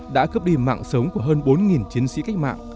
đã cướp đi mạng sống của hơn bốn chiến sĩ cách mạng